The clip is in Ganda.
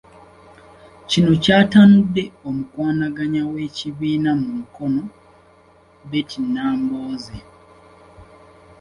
Kino kyatanudde omukwanaganya w'ekibiina mu Mukono, Betty Nambooze.